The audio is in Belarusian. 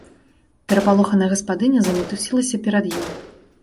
Перапалоханая гаспадыня замітусілася перад ім.